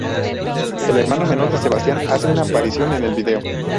El hermano menor de Sebastián, hace una aparición en el vídeo.